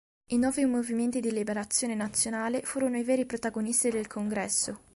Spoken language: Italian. I nuovi movimenti di liberazione nazionale furono i veri protagonisti del Congresso.